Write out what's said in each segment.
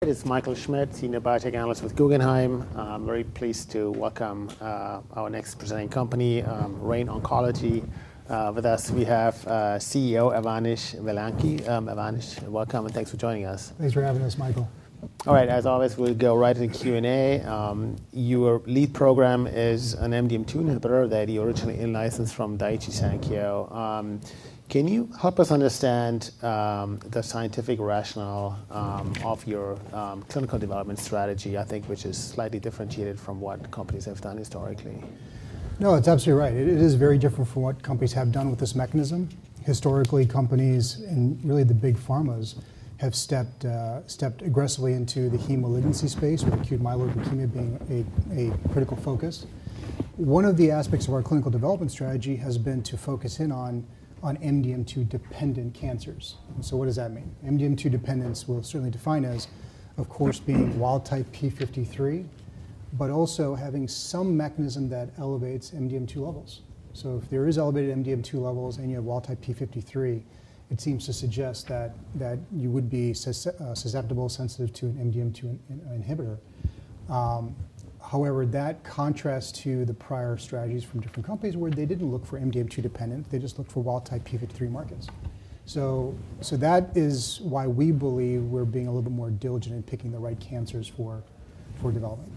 It is Michael Schmidt, Senior Biotech Analyst with Guggenheim. I'm very pleased to welcome our next presenting company, Rain Oncology. With us we have CEO Avanish Vellanki. Avanish welcome and thanks for joining us. Thanks for having us Michael. All right. As always, we'll go right to the Q&A. Your lead program is an MDM2 inhibitor that you originally in-licensed from Daiichi Sankyo. Can you help us understand the scientific rationale of your clinical development strategy, I think, which is slightly differentiated from what companies have done historically? No, that's absolutely right. It is very different from what companies have done with this mechanism. Historically, companies and really the big pharmas have stepped aggressively into the hematologic malignancy space with acute myeloid leukemia being a critical focus. One of the aspects of our clinical development strategy has been to focus in on MDM2-dependent cancers. What does that mean? MDM2-dependence we'll certainly define as, of course, being wild-type p53, but also having some mechanism that elevates MDM2 levels. If there is elevated MDM2 levels and you have wild-type p53, it seems to suggest that you would be susceptible or sensitive to an MDM2 inhibitor. However, that contrasts to the prior strategies from different companies where they didn't look for MDM2-dependent, they just looked for wild-type p53 markets. That is why we believe we're being a little bit more diligent in picking the right cancers for development.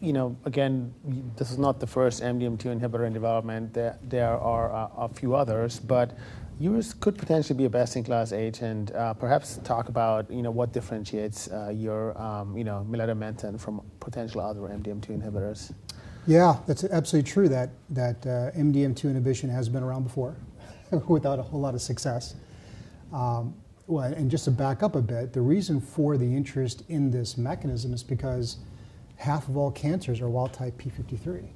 You know, again, this is not the first MDM2 inhibitor in development. There are a few others, but yours could potentially be a best-in-class agent. Perhaps talk about, you know, what differentiates your, you know, milademetan from potential other MDM2 inhibitors? Yeah, that's absolutely true that MDM2 inhibition has been around before without a whole lot of success. Well, just to back up a bit, the reason for the interest in this mechanism is because half of all cancers are wild-type p53.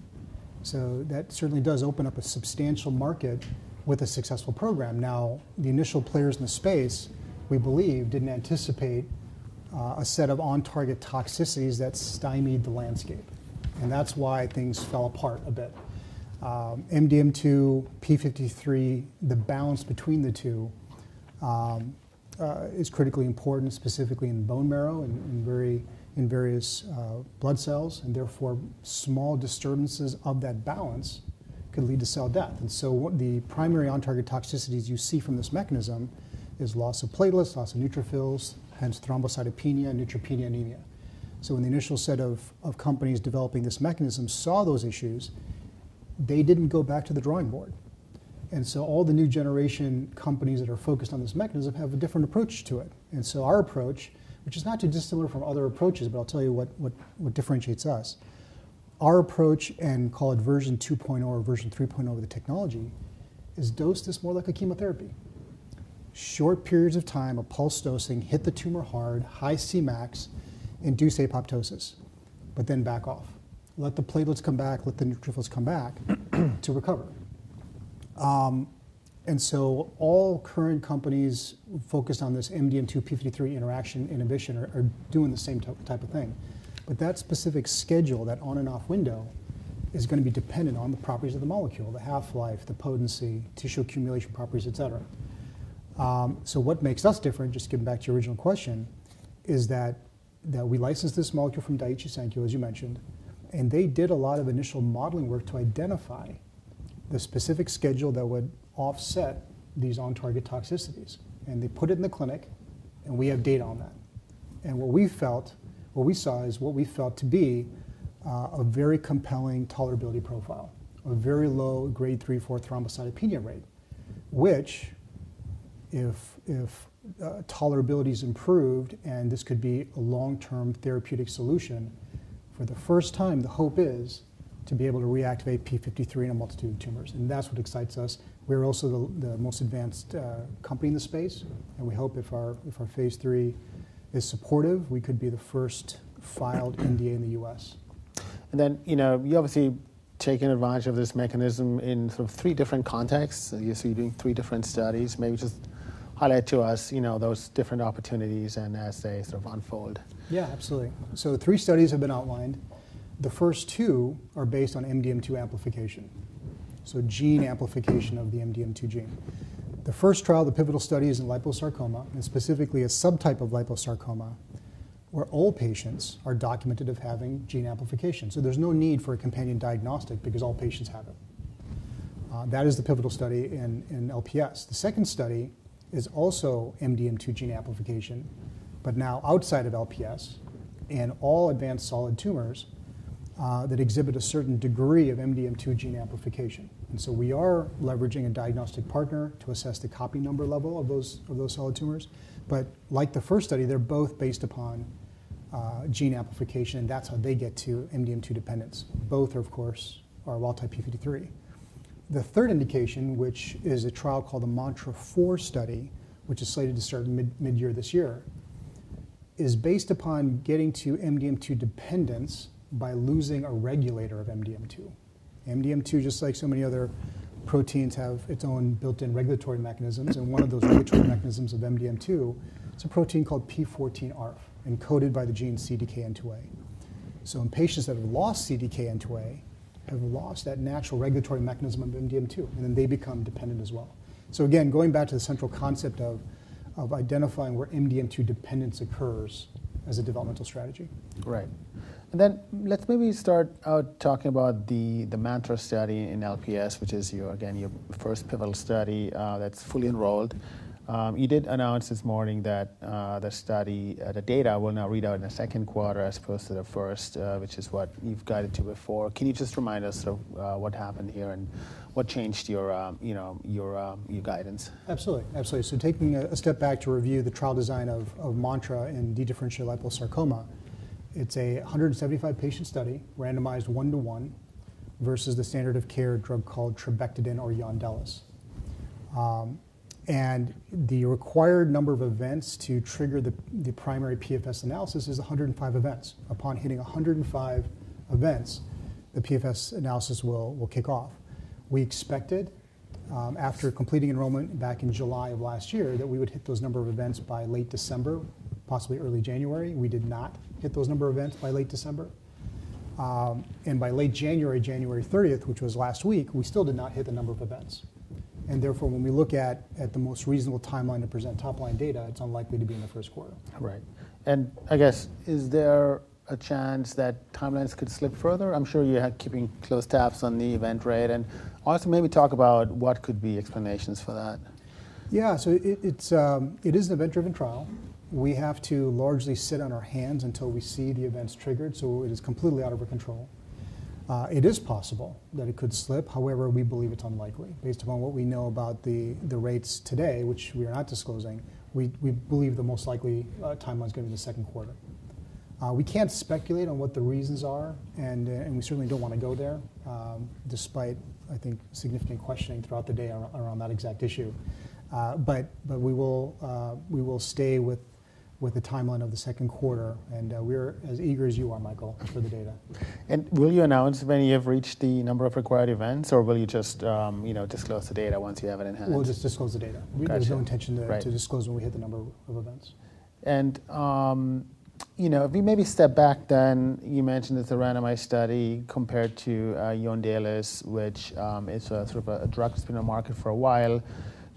That certainly does open up a substantial market with a successful program. Now, the initial players in the space, we believe, didn't anticipate a set of on-target toxicities that stymied the landscape, that's why things fell apart a bit. MDM2, p53, the balance between the two, is critically important, specifically in bone marrow and in various blood cells, therefore, small disturbances of that balance can lead to cell death. What the primary on-target toxicities you see from this mechanism is loss of platelets, loss of neutrophils, hence thrombocytopenia and neutropenia anemia. When the initial set of companies developing this mechanism saw those issues, they didn't go back to the drawing board. All the new generation companies that are focused on this mechanism have a different approach to it. Our approach, which is not too dissimilar from other approaches, but I'll tell you what differentiates us. Our approach, and call it version 2.0 or version 3.0 with the technology, is dose this more like a chemotherapy. Short periods of time of pulse dosing, hit the tumor hard, high Cmax, induce apoptosis, but then back off. Let the platelets come back, let the neutrophils come back to recover. All current companies focused on this MDM2, p53 interaction inhibition are doing the same type of thing. That specific schedule, that on and off window, is gonna be dependent on the properties of the molecule, the half-life, the potency, tissue accumulation properties, etc.. What makes us different, just getting back to your original question, is that we licensed this molecule from Daiichi Sankyo, as you mentioned, and they did a lot of initial modeling work to identify the specific schedule that would offset these on-target toxicities. They put it in the clinic, and we have data on that. What we saw is what we felt to be a very compelling tolerability profile. A very low grade 3, 4 thrombocytopenia rate, which if tolerability is improved, and this could be a long-term therapeutic solution, for the first time the hope is to be able to reactivate p53 in a multitude of tumors that's what excites us. We're also the most advanced company in the space, and we hope if our phase III is supportive, we could be the first filed NDA in the U.S.. You know, you obviously taking advantage of this mechanism in sort of three different contexts. You're seeing three different studies maybe just highlight to us, you know, those different opportunities and as they sort of unfold? Yeah, absolutely. The three studies have been outlined. The first two are based on MDM2 amplification, so gene amplification of the MDM2 gene. The first trial, the pivotal study, is in liposarcoma, and specifically a subtype of liposarcoma, where all patients are documented of having gene amplification. There's no need for a companion diagnostic because all patients have it that is the pivotal study in LPS. The second study is also MDM2 gene amplification, but now outside of LPS and all advanced solid tumors that exhibit a certain degree of MDM2 gene amplification. We are leveraging a diagnostic partner to assess the copy number level of those solid tumors. Like the first study, they're both based upon gene amplification, and that's how they get to MDM2 dependence. Both, of course, are wild-type p53. The third indication, which is a trial called the MANTRA-4 study, which is slated to start mid-year this year, is based upon getting to MDM2 dependence by losing a regulator of MDM2. MDM2, just like so many other proteins, have its own built-in regulatory mechanisms, and one of those regulatory mechanisms of MDM2 is a protein called p14ARF, encoded by the gene CDKN2A. In patients that have lost CDKN2A have lost that natural regulatory mechanism of MDM2, and then they become dependent as well. Again, going back to the central concept of identifying where MDM2 dependence occurs as a developmental strategy. Right. Let's maybe start out talking about the MANTRA study in LPS, which is your, again, your first pivotal study that's fully enrolled. You did announce this morning that the study, the data will now read out in the second quarter as opposed to the first, which is what you've guided to before. Can you just remind us of what happened here and what changed your, you know, your guidance? Absolutely, taking a step back to review the trial design of MANTRA in dedifferentiated liposarcoma, it's a 175 patient study, randomized 1-to-1 versus the standard of care drug called trabectedin or Yondelis. The required number of events to trigger the primary PFS analysis is 105 events. Upon hitting 105 events, the PFS analysis will kick off. We expected, after completing enrollment back in July of last year, that we would hit those number of events by late December, possibly early January. We did not hit those number of events by late December. By late January 30th, which was last week, we still did not hit the number of events. Therefore, when we look at the most reasonable timeline to present top-line data, it's unlikely to be in the first quarter. Right. I guess, is there a chance that timelines could slip further? I'm sure you are keeping close tabs on the event rate, and also maybe talk about what could be explanations for that? Yeah. It's, it is an event-driven trial, we have to largely sit on our hands until we see the events triggered, so it is completely out of our control. It is possible that it could slip. However, we believe it's unlikely based upon what we know about the rates today, which we are not disclosing. We believe the most likely timeline is gonna be the second quarter. We can't speculate on what the reasons are and we certainly don't want to go there, despite, I think, significant questioning throughout the day around that exact issue. We will stay with the timeline of the second quarter, and we're as eager as you are Michael, for the data. Will you announce when you have reached the number of required events, or will you just, you know, disclose the data once you have it in hand? We'll just disclose the data. Got you. We have no intention— Right to disclose when we hit the number of events. You know, if we maybe step back then, you mentioned it's a randomized study compared to Yondelis, which, is a sort of a drug that's been on market for a while.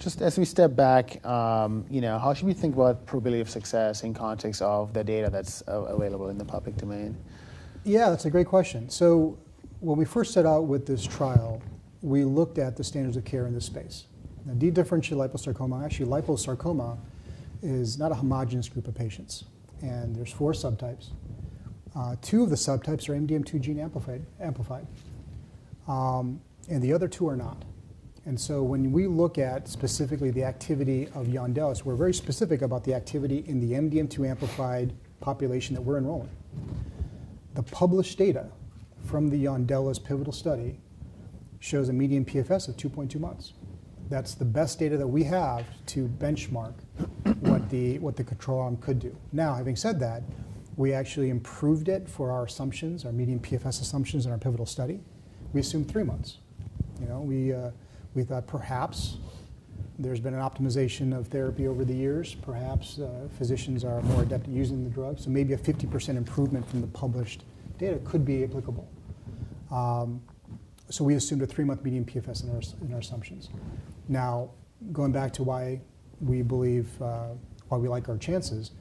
Just as we step back, you know, how should we think about probability of success in context of the data that's available in the public domain? Yeah, that's a great question. When we first set out with this trial, we looked at the standards of care in this space. dedifferentiated liposarcoma, actually liposarcoma is not a homogenous group of patients, and there's four subtypes. Two of the subtypes are MDM2 gene amplified, and the other two are not. When we look at specifically the activity of Yondelis, we're very specific about the activity in the MDM2-amplified population that we're enrolling. The published data from the Yondelis pivotal study shows a median PFS of 2.2 months. That's the best data that we have to benchmark what the control arm could do. Now, having said that, we actually improved it for our assumptions, our median PFS assumptions in our pivotal study. We assumed three months. You know? We thought perhaps there's been an optimization of therapy over the years. Perhaps physicians are more adept at using the drug, maybe a 50% improvement from the published data could be applicable. We assumed a three-month median PFS in our assumptions. Going back to why we believe why we like our chances,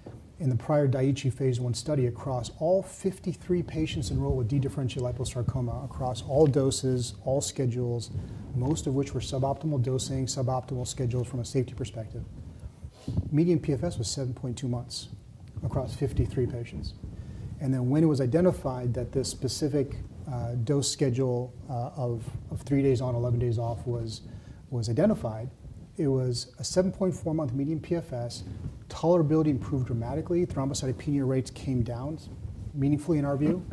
in the prior Daiichi phase I study across all 53 patients enrolled with dedifferentiated liposarcoma across all doses, all schedules, most of which were suboptimal dosing, suboptimal schedules from a safety perspective, median PFS was 7.2 months across 53 patients. When it was identified that this specific dose schedule of three days on, 11 days off was identified, it was a 7.4-month median PFS. Tolerability improved dramatically. Thrombocytopenia rates came down meaningfully in our view,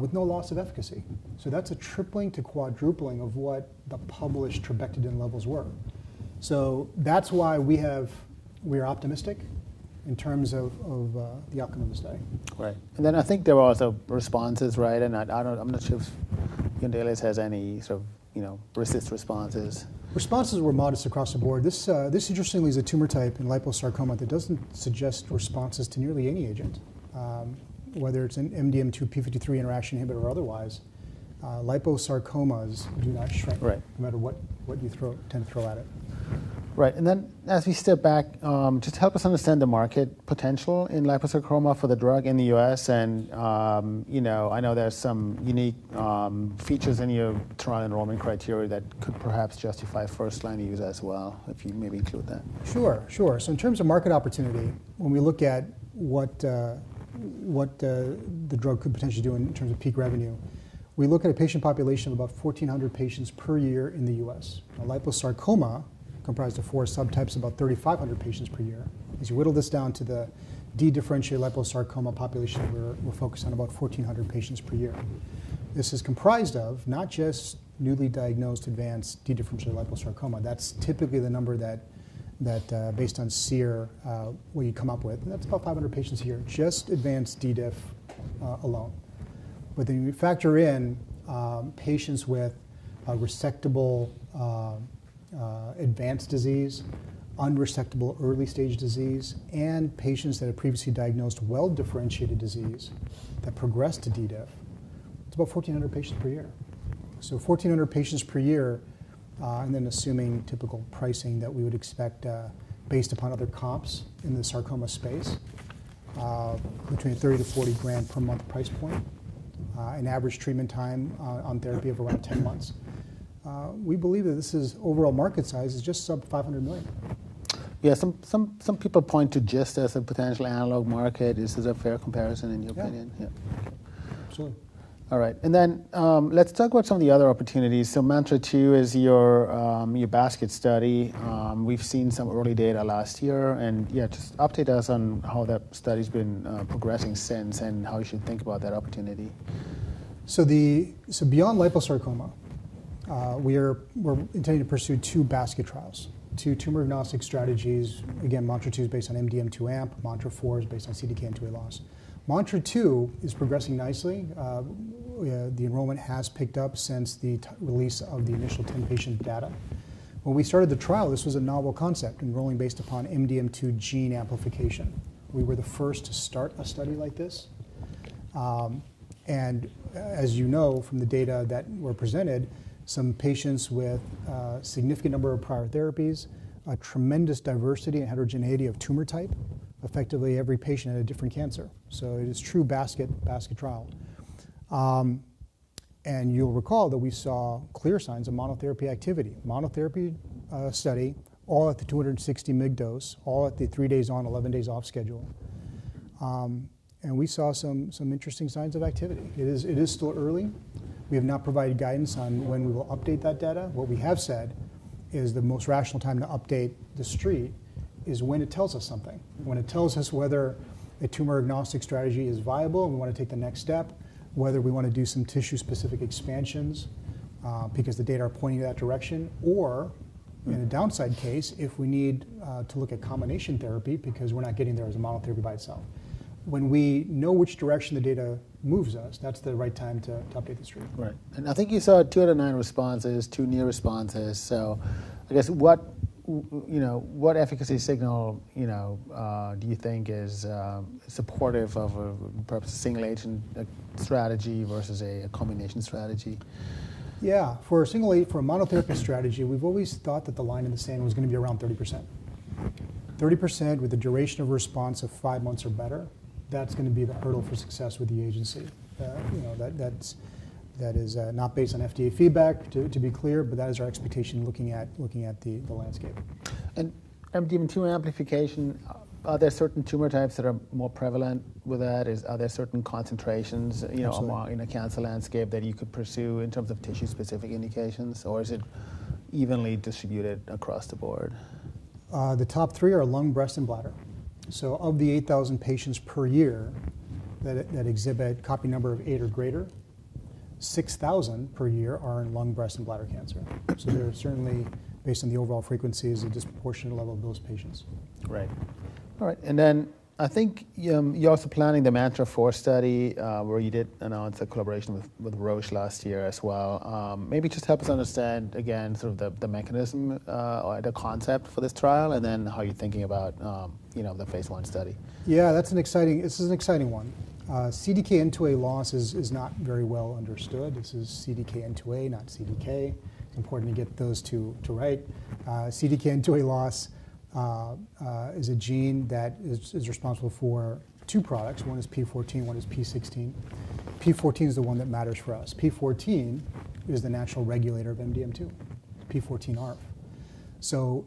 with no loss of efficacy. That's a tripling to quadrupling of what the published trabectedin levels were. That's why we're optimistic in terms of, the outcome of the study. Right. I think there are also responses, right? I'm not sure if Yondelis has any sort of, you know, RECIST responses. Responses were modest across the board. This interestingly is a tumor type in liposarcoma that doesn't suggest responses to nearly any agent. Whether it's an MDM2-p53 interaction inhibitor or otherwise, liposarcomas do not shrink— Right. no matter what you tend to throw at it. Right, then as we step back, just help us understand the market potential in liposarcoma for the drug in the U.S. and, you know, I know there are some unique features in your trial enrollment criteria that could perhaps justify first-line use as well, if you maybe include that. Sure. In terms of market opportunity, when we look at what the drug could potentially do in terms of peak revenue, we look at a patient population of about 1,400 patients per year in the U.S. Liposarcoma comprised of four subtypes, about 3,500 patients per year. As you whittle this down to the dedifferentiated liposarcoma population, we're focused on about 1,400 patients per year. This is comprised of not just newly diagnosed advanced dedifferentiated liposarcoma. That's typically the number that based on SEER we come up with, and that's about 500 patients a year, just advanced d-diff alone. Then you factor in patients with a resectable advanced disease, unresectable early-stage disease, and patients that have previously diagnosed well-differentiated disease that progressed to DDLPS, it's about 1,400 patients per year. A 1,400 patients per year, and then assuming typical pricing that we would expect, based upon other comps in the sarcoma space of between $30,000-$40,000 per month price point, an average treatment time, on therapy of around 10 months. We believe that this overall market size is just sub $500 million. Yeah. Some people point to just as a potential analog market. Is this a fair comparison in your opinion? Yeah. Yeah. Absolutely. All right. Let's talk about some of the other opportunities. MANTRA-2 is your basket study. We've seen some early data last year and yeah, just update us on how that study's been progressing since and how we should think about that opportunity. Beyond liposarcoma, we're intending to pursue two basket trials, two tumor-agnostic strategies. MANTRA-2 is based on MDM2 amp, MANTRA-4 is based on CDKN2A loss. MANTRA-2 is progressing nicely. The enrollment has picked up since the release of the initial 10 patient data. When we started the trial, this was a novel concept enrolling based upon MDM2 gene amplification. We were the first to start a study like this. As you know from the data that were presented, some patients with significant number of prior therapies, a tremendous diversity and heterogeneity of tumor type, effectively every patient had a different cancer. It is true basket trial. You'll recall that we saw clear signs of monotherapy activity. Monotherapy study all at the 260 mg dose, all at the three days on, 11 days off schedule. We saw some interesting signs of activity, it is still early. We have not provided guidance on when we will update that data. What we have said is the most rational time to update the street is when it tells us something, when it tells us whether a tumor-agnostic strategy is viable, and we wanna take the next step, whether we wanna do some tissue-specific expansions because the data are pointing in that direction, or in a downside case, if we need to look at combination therapy because we're not getting there as a monotherapy by itself. When we know which direction the data moves us, that's the right time to update the street. Right. I think you saw two out of nine responses, two near responses. I guess what, you know, what efficacy signal, you know, do you think is supportive of a perhaps a single agent strategy versus a combination strategy? Yeah, for a monotherapy strategy, we've always thought that the line in the sand was gonna be around 30%. A 30% with a duration of response of five months or better, that's gonna be the hurdle for success with the agency. You know, that's, that is, not based on FDA feedback to be clear, but that is our expectation looking at, looking at the landscape. MDM2 amplification, are there certain tumor types that are more prevalent with that? Are there certain concentrations, you know? Absolutely. In the cancer landscape that you could pursue in terms of tissue-specific indications, or is it evenly distributed across the board? The top three are lung, breast, and bladder. Of the 8,000 patients per year that exhibit copy number of eight or greater, 6,000 per year are in lung, breast, and bladder cancer. There are certainly based on the overall frequency is a disproportionate level of those patients. Right. All right, I think you're also planning the MANTRA-4 study, where you did announce a collaboration with Roche last year as well. Maybe just help us understand again sort of the mechanism, or the concept for this trial and then how you're thinking about, you know, the phase I study. This is an exciting one. CDKN2A loss is not very well understood. This is CDKN2A, not CDK. Important to get those two right. CDKN2A loss is a gene that is responsible for two products. One is p14, one is p16, p14 is the one that matters for us. p14ARF.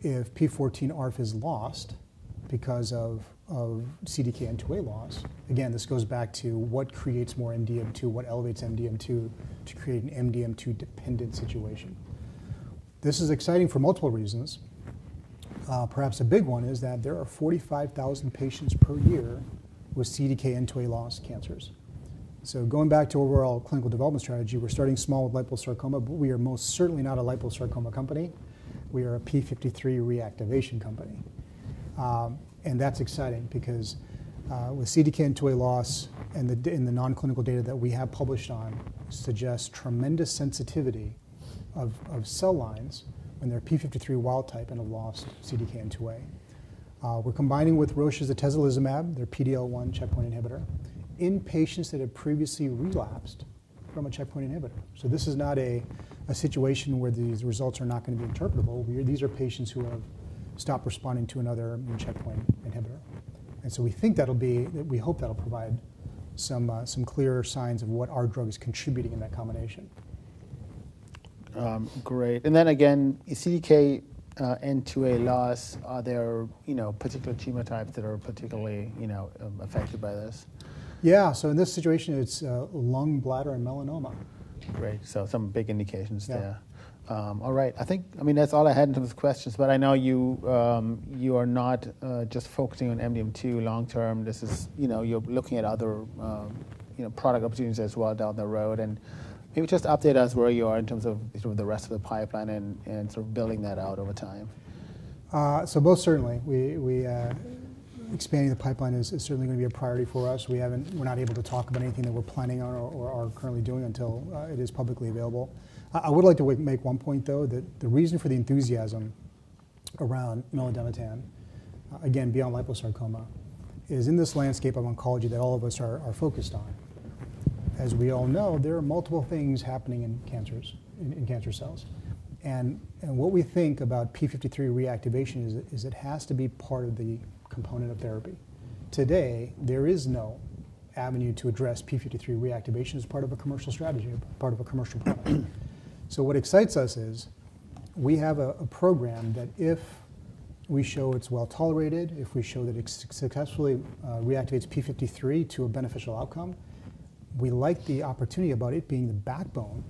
If p14ARF is lost because of CDKN2A loss, again, this goes back to what creates more MDM2? What elevates MDM2 to create an MDM2-dependent situation? This is exciting for multiple reasons. Perhaps a big one is that there are 45,000 patients per year with CDKN2A loss cancers. Going back to overall clinical development strategy, we're starting small with liposarcoma, but we are most certainly not a liposarcoma company. We are a p53 reactivation company. That's exciting because with CDKN2A loss and the non-clinical data that we have published on suggests tremendous sensitivity of cell lines when there are p53 wild-type and a lost CDKN2A. We're combining with Roche's atezolizumab, their PD-L1 checkpoint inhibitor, in patients that have previously relapsed from a checkpoint inhibitor. This is not a situation where these results are not gonna be interpretable. These are patients who have stopped responding to another immune checkpoint inhibitor. We hope that'll provide some clear signs of what our drug is contributing in that combination. Great. again, CDKN2A loss, are there, you know, particular tumor types that are particularly, you know, affected by this? Yeah. In this situation, it's lung, bladder, and melanoma. Great, some big indications there. Yeah. All right. I think, I mean, that's all I had in terms of questions. I know you are not just focusing on MDM2 long term. This is, you know, you're looking at other, you know, product opportunities as well down the road. Maybe just update us where you are in terms of sort of the rest of the pipeline and sort of building that out over time. Most certainly. We, expanding the pipeline is certainly gonna be a priority for us. We're not able to talk about anything that we're planning on or are currently doing until it is publicly available. I would like to make one point, though, that the reason for the enthusiasm around milademetan, again, beyond liposarcoma, is in this landscape of oncology that all of us are focused on. As we all know, there are multiple things happening in cancers, in cancer cells. What we think about p53 reactivation is it has to be part of the component of therapy. Today, there is no avenue to address p53 reactivation as part of a commercial strategy or part of a commercial product. What excites us is we have a program that if we show it's well-tolerated, if we show that it successfully reactivates p53 to a beneficial outcome, we like the opportunity about it being the backbone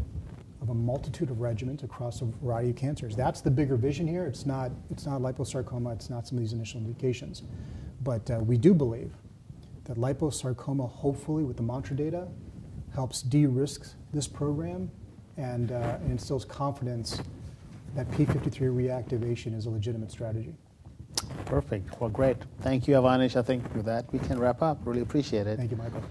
of a multitude of regimens across a variety of cancers. That's the bigger vision here. It's not, it's not liposarcoma, it's not some of these initial indications. We do believe that liposarcoma, hopefully with the MANTRA data, helps de-risk this program and instills confidence that p53 reactivation is a legitimate strategy. Perfect, great. Thank you Avanish. I think with that, we can wrap up. Really appreciate it. Thank you Michael.